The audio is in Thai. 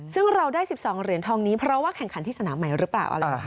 ซึ่งเราได้๑๒เหรียญทองนี้เพราะว่าแข่งขันที่สนามใหม่หรือเปล่าอะไรนะคะ